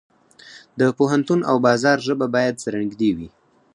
د پوهنتون او بازار ژبه باید سره نږدې وي.